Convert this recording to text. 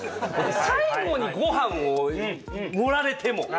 最後にごはんを盛られても！